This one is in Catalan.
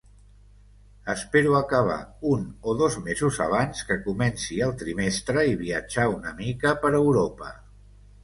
Espero acabar un o dos mesos abans que comenci el trimestre i viatjar una mica per Europa.